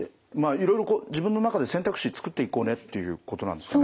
いろいろ自分の中で選択肢作っていこうねということなんですかね。